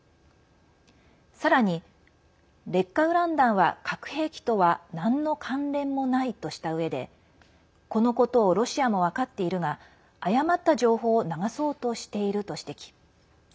さらに、劣化ウラン弾は核兵器とはなんの関連もないとしたうえでこのことをロシアも分かっているが誤った情報を流そうとしていると指摘。